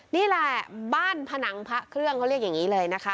นี่แหละบ้านผนังพระเครื่องเขาเรียกอย่างนี้เลยนะคะ